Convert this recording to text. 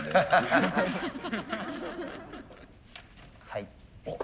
はい。